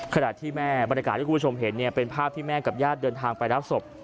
ขณะที่แม่บรรยากาศที่คุณผู้ชมเห็นเนี่ยเป็นภาพที่แม่กับญาติเดินทางไปรับศพ